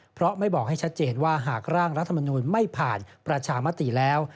เพราะไม่บอกให้ชัดเจนว่าหากร่างรัฐมนูลไม่ผ่านประชามติแล้ว